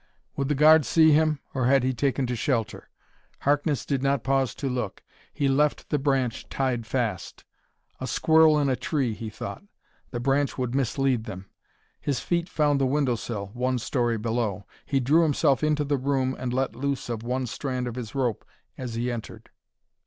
Would the guard see him, or had he taken to shelter? Harkness did not pause to look. He left the branch tied fast. "A squirrel in a tree," he thought: the branch would mislead them. His feet found the window sill one story below. He drew himself into the room and let loose of one strand of his rope as he entered.